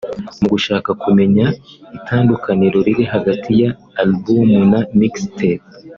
Mu gushaka kumenya itandukaniro riri hagati ya album na mixtape